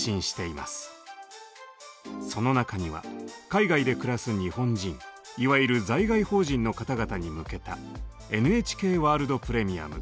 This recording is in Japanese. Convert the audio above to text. その中には海外で暮らす日本人いわゆる在外邦人の方々に向けた「ＮＨＫワールド・プレミアム」